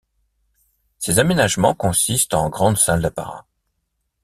Ces aménagements consistent en grandes salles d'apparat.